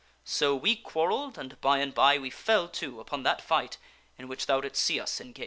So we quarrelled, and by and by we fell to upon that fight in which thou did see us engaged."